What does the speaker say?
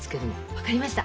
分かりました。